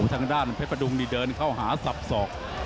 ทางด้านเพชรประดุงนี่เดินเข้าหาสับสอก